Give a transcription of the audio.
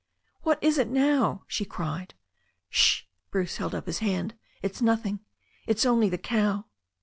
"What is it now?" she cried. "Sh !" Bruce held up his hand. "It's nothing. It's only the cow."